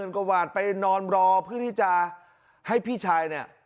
กว่าวาดไปนอนรอเพื่อที่จะให้พี่ชายเนี่ย